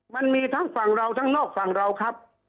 มันมีทั้งฝั่งเราทั้งนอกฝั่งเราครับ